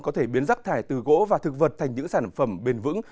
có thể biến rắc thải từ gỗ và thực vật thành những sản phẩm bền vững